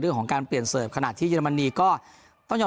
เรื่องของการเปลี่ยนเสิร์ฟขณะที่เยอรมนีก็ต้องยอม